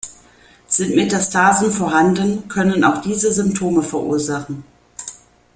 Sind Metastasen vorhanden, können auch diese Symptome verursachen.